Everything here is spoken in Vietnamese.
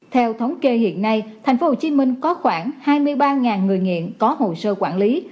theo thống kê hiện nay thành phố hồ chí minh có khoảng hai mươi ba người nghiện có hồ sơ quản lý